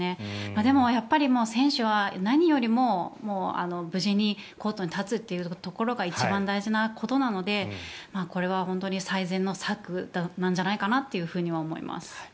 でも選手は何よりも無事にコートに立つというところが一番大事なことなのでこれは本当に最善の策なんじゃないかと思います。